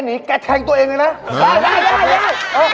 ไม่มีอะไรของเราเล่าส่วนฟังครับพี่